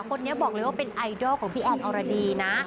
คนนี้บอกเลยว่าเป็นไอดอลของพี่แอนอรดีนะ